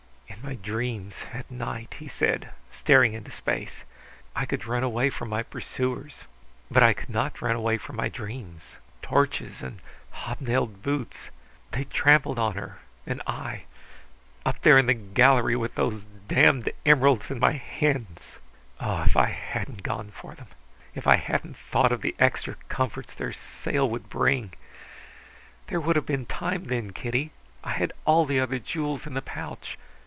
"In my dreams at night!" he said, staring into space. "I could run away from my pursuers, but I could not run away from my dreams! Torches and hobnailed boots!... They trampled on her; and I, up there in the gallery with those damned emeralds in my hands! Ah, if I hadn't gone for them, if I hadn't thought of the extra comforts their sale would bring! There would have been time then, Kitty. I had all the other jewels in the pouch.